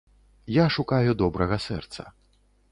Я шукаю добрага сэрца.